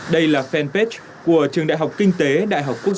đây là fanpage của trường đại học kinh tế đại học kinh tế